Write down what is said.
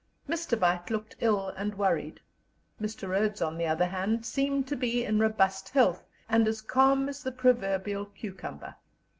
Mr. Beit looked ill and worried; Mr. Rhodes, on the other hand, seemed to be in robust health, and as calm as the proverbial cucumber.